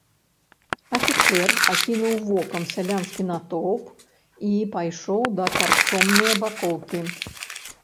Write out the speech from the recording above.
Афіцэр акінуў вокам сялянскі натоўп і пайшоў да карчомнае бакоўкі.